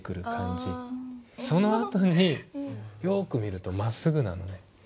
そのあとによく見るとまっすぐなのね。